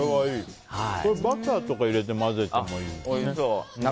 これ、バターとか入れて混ぜてもいいよね。